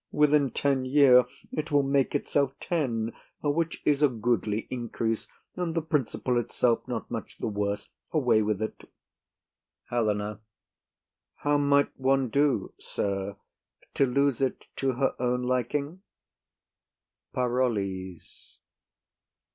Within the year it will make itself two, which is a goodly increase, and the principal itself not much the worse. Away with it! HELENA. How might one do, sir, to lose it to her own liking? PAROLLES.